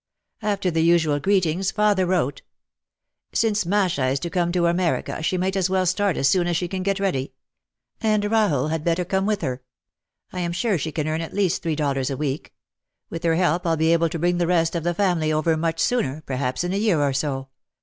After the usual greetings father wrote, "Since Masha is to come to America she might as well start as soon as she can get ready. And Rahel had better come with her. I am sure she can earn at least three dollars a week. With her help I'll be able to bring the rest of the family over much sooner, perhaps in a year or so.